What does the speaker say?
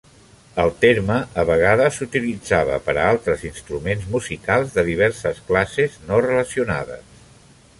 El terme a vegades s'utilitzava per a altres instruments musicals de diverses classes no relacionades.